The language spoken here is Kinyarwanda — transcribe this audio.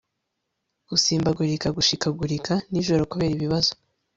gusimbagurika gushikagurika nijoro kubera ibibazo